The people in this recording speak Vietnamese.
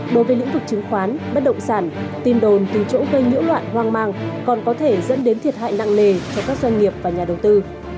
đối với lĩnh vực chứng khoán bất động sản tin đồn từ chỗ gây nhiễu loạn hoang mang còn có thể dẫn đến thiệt hại nặng nề cho các doanh nghiệp và nhà đầu tư